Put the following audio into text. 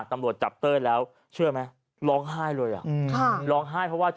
นำรวชจับเต้ยแล้วเชื่อมั้ย